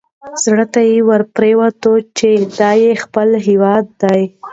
زړه ته یې ورپرېوته چې دا یې خپل هیواد دی.